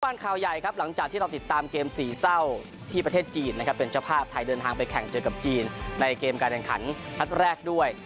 ข่าวใหญ่ครับหลังจากที่เราติดตามเกมสี่เศร้าที่ประเทศจีนนะครับเป็นเจ้าภาพไทยเดินทางไปแข่งเจอกับจีนในเกมการแข่งขันนัดแรกด้วย